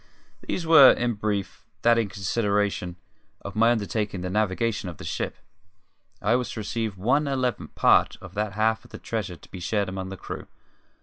These were, in brief, that in consideration of my undertaking the navigation of the ship, I was to receive one eleventh part of that half of the treasure to be shared among the crew.